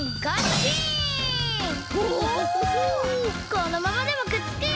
このままでもくっつくよ！